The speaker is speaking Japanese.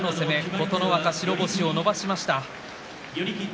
琴ノ若、白星を伸ばしました。